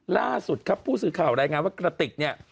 ล่าสุดครับผู้สื่อข่าวรายงานว่ากระติกเนี่ย